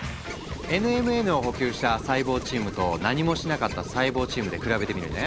ＮＭＮを補給した細胞チームと何もしなかった細胞チームで比べてみるね。